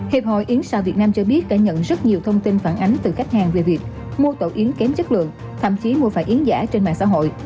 hiệp hội yến sào việt nam cho biết đã nhận rất nhiều thông tin phản ánh từ khách hàng về việc mua tổ yến kém chất lượng thậm chí mua phải yến giả trên mạng xã hội